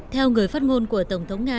theo người phát ngôn của tổng thống nga